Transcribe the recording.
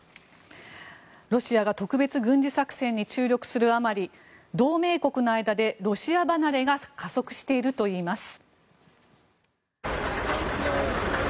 ロシアが特別軍事作戦に注力するあまり同盟国の間でロシア離れが加速しているといいます。